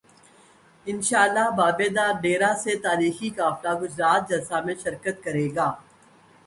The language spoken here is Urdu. انشا ءاللہ بابے دا ڈیرہ سے تا ریخی قافلہ گجرات جلسہ میں شر کت کر ے گا